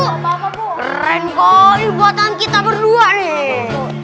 keren kok isturahat kita berdua nih